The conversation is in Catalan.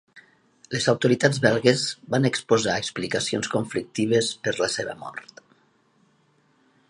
Les autoritats belgues van exposar explicacions conflictives per la seva mort.